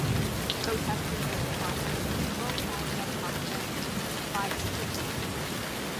Protesters lit fires, hurled Molotov cocktails, and set fire to a bank.